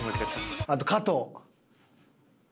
あと加藤。